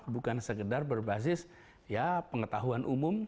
bukan sekedar berbasis ya pengetahuan umum